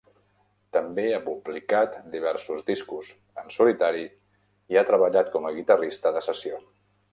També ha publicat diversos discos en solitari i ha treballat com a guitarrista de sessió.